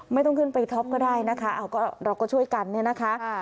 ไม่ต้องขึ้นไปท็อปก็ได้นะคะเราก็ช่วยกันเนี่ยนะคะ